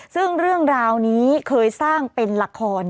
ซึ่งเรื่องราวนี้เคยสร้างเป็นละคร